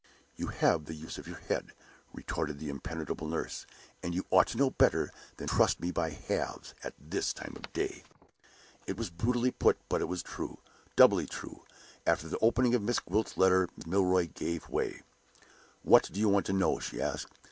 "You have the use of your head," retorted the impenetrable nurse. "And you ought to know better than to trust me by halves, at this time of day." It was brutally put; but it was true doubly true, after the opening of Miss Gwilt's letter. Mrs. Milroy gave way. "What do you want to know?" she asked.